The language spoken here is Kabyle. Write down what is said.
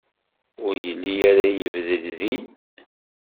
Ur yelli ara yebded din.